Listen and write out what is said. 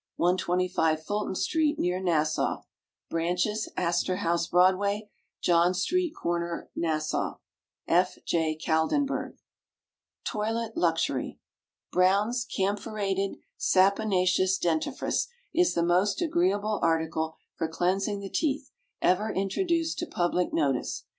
125 FULTON ST., near Nassau. Branches { Astor House, Broadway. { John St., cor. Nassau F. J. KALDENBERG. TOILET LUXURY. Brown's Camphorated Saponaceous Dentifrice is the most agreeable article for cleansing the teeth ever introduced to public notice.